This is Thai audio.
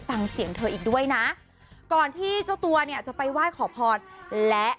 ซึ่งเลขที่ได้ก็คือ